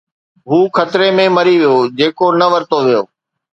هو خطري ۾ مري ويو جيڪو نه ورتو ويو